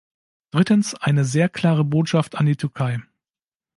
Drittens, eine sehr klare Botschaft an die Türkei.